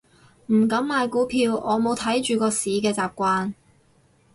唔敢買股票，我冇睇住個市嘅習慣